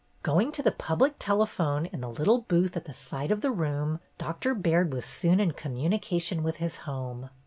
Going to the public telephone in the little booth at the side of the room. Dr. Baird was soon in communication with his home.